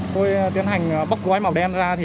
tôi tiến hành bóc gói màu đen ra